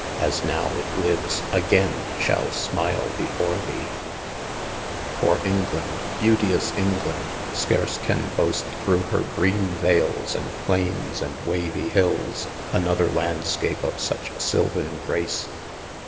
As now it lives, again shall smile before thee : For England, beauteous England, scarce can boast. Through her green vales and plains and wavy hills. Another landscape of such sylvan grace.